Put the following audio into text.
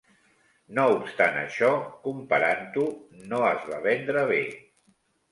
No obstant això, comparant-ho, no es va vendre bé.